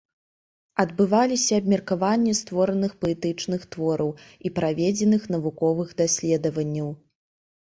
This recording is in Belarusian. Адбываліся абмеркаванні створаных паэтычных твораў і праведзеных навуковых даследаванняў.